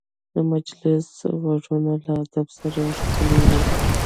د مجلس غږونه له ادب سره ښکلي وي